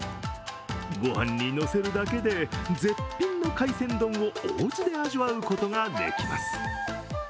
御飯にのせるだけで絶品の海鮮丼をおうちで味わうことができます。